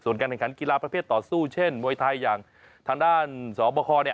ส่วนการแข่งขันกีฬาประเภทต่อสู้เช่นมวยไทยอย่างทางด้านสบคเนี่ย